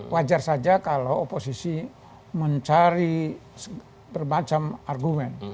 wajar saja kalau oposisi mencari bermacam argumen